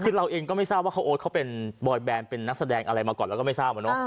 คือเราเองก็ไม่ทราบว่าเขาโอ๊ตเขาเป็นบอยแบนเป็นนักแสดงอะไรมาก่อนเราก็ไม่ทราบ